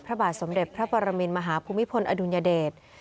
พระบาทสมเด็จพระปรมินมหาภูมิพลอดุลยเดช